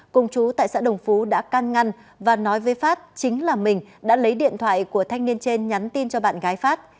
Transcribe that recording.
cùng chú tại xã đồng phú đã can ngăn và nói với phát chính là mình đã lấy điện thoại của thanh niên trên nhắn tin cho bạn gái phát